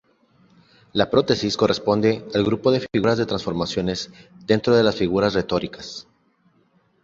La prótesis corresponde al grupo de figuras de transformación dentro de las figuras retóricas.